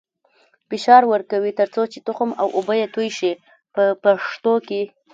فشار ورکوي تر څو چې اوبه او تخم یې توی شي په پښتو کې.